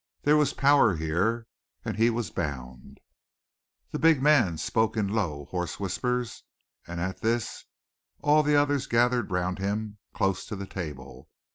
There was power here and he was bound. The big man spoke in low, hoarse whispers, and at this all the others gathered round him, close to the table.